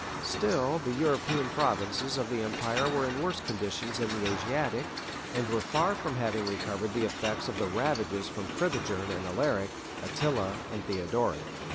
Still the European provinces of the empire were in worse condition than the Asiatic, and were far from having recovered the effects of the ravages of Fritigern and Alaric, Attila, and Theodoric.